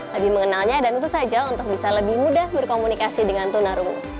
lebih mengenalnya dan tentu saja untuk bisa lebih mudah berkomunikasi dengan tunarungu